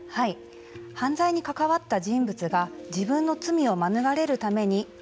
犯罪に関わった人物が自分の罪を免れるためにう